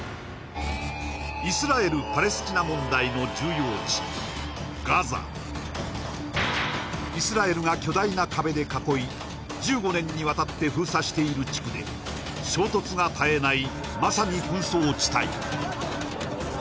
イスラエルパレスチナ問題の重要地ガザイスラエルが巨大な壁で囲い１５年にわたって封鎖している地区で衝突が絶えないまさに紛争地帯